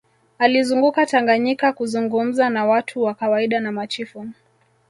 alizunguka tanganyika kuzungumza na watu wa kawaida na machifu